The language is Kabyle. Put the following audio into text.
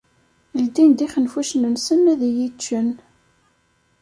Ldin-d ixenfucen-nsen ad iyi-ččen.